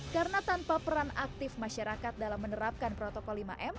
karena tanpa peran aktif masyarakat dalam menerapkan protokol lima m